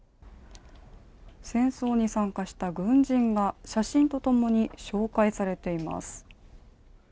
戦争に参加した軍人が写真とともに紹介されています。